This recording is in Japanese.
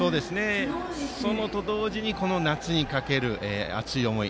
それと同時にこの夏にかける熱い思い